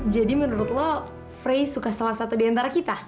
jadi menurut lo frey suka sama satu diantara kita